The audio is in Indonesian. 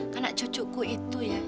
karena cucuku itu ya